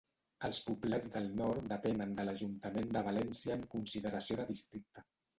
Els Poblats del Nord depenen de l'ajuntament de València en consideració de districte.